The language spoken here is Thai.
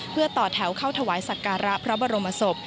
เพื่อต่อแถวเข้าถวายสักการะพระบรมศพ